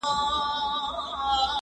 زه پرون قلم استعمالوم کړ،